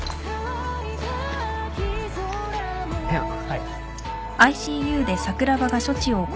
はい。